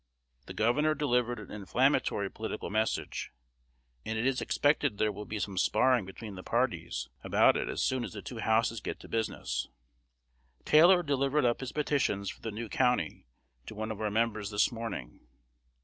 The Governor delivered an inflammatory political message, and it is expected there will be some sparring between the parties about it as soon as the two Houses get to business. Taylor delivered up his petitions for the new county to one of our members this morning.